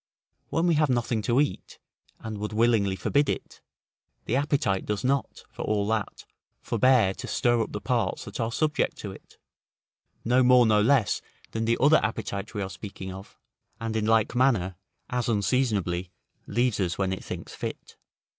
When we have nothing to eat, and would willingly forbid it, the appetite does not, for all that, forbear to stir up the parts that are subject to it, no more nor less than the other appetite we were speaking of, and in like manner, as unseasonably leaves us, when it thinks fit.